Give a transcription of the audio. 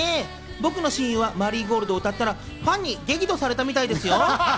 僕の親友は『マリーゴールド』を歌ったらファンに激怒されたみたいですよ。